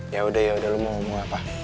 yaudah yaudah lu mau ngomong apa